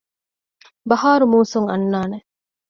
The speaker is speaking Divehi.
ބަހާރު މޫސުން އަންނާނެ